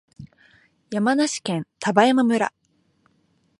山梨県丹波山村